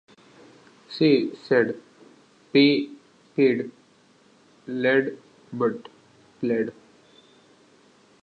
Say—said, pay—paid, laid, but plaid.